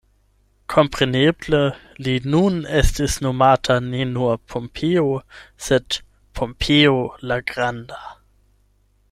Kompreneble, li nun estis nomata ne nur Pompeo, sed Pompeo la Granda.